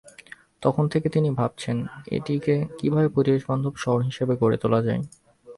তখন থেকে তিনি ভাবছেন, এটিকে কীভাবে পরিবেশবান্ধব শহর হিসেবে গড়ে তোলা যায়।